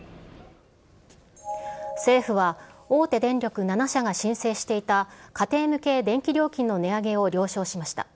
政府は大手電力７社が申請していた家庭向け電気料金の値上げを了承しました。